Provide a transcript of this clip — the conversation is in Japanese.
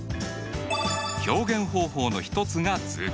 表現方法の一つが図形化。